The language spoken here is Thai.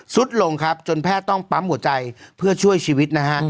สุดลงครับจนแพทย์ต้องปั๊มหัวใจเพื่อช่วยชีวิตนะฮะ